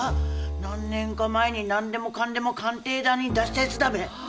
何年か前になんでもかんでも鑑定団に出したやつだべ。